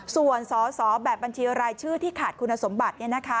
ส่วนสอสอแบบบัญชีรายชื่อที่ขาดคุณสมบัติ